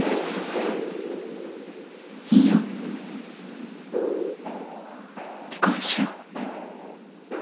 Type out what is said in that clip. いいよ離婚しよう